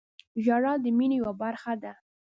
• ژړا د مینې یوه برخه ده.